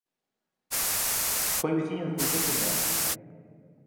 Foi veciño do Concello de Meaño